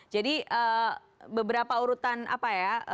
jadi beberapa urutan apa ya